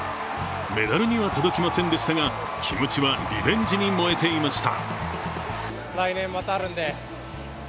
メダルには届きませんでしたが気持ちはリベンジに燃えていました。